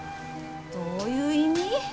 どういう意味？